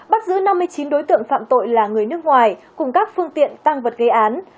bắt giữ năm mươi chín đối tượng phạm tội là người nước ngoài cùng các phương tiện tăng vật gây án